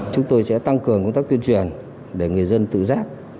chúng tôi sẽ tăng cường công tác tuyên truyền để người dân tự giác